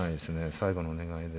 最後のお願いで。